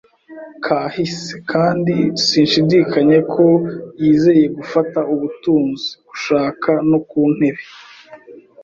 kahise, kandi sinshidikanya ko yizeye gufata ubutunzi, gushaka no kuntebe